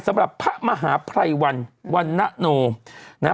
สำหรับพระมหาพรัยวันนโหนม